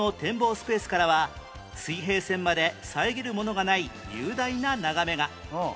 スペースからは水平線まで遮るものがない雄大な眺めが